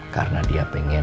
karena dia pengen